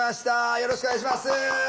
よろしくお願いします。